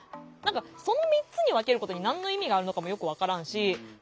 その３つに分けることに何の意味があるのかもよく分からんし。